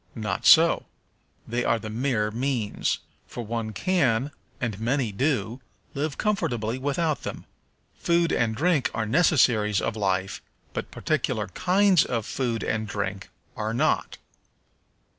Not so; they are the mere means, for one can, and many do, live comfortably without them. Food and drink are necessaries of life, but particular kinds of food and drink are not.